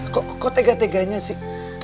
kok tega teganya sih